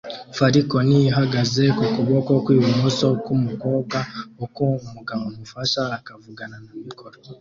Falcon ihagaze ku kuboko kw'ibumoso k'umukobwa uko umugabo amufasha akavugana na mikoro